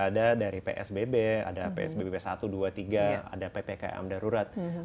ada dari psbb ada psbb satu dua tiga ada ppkm darurat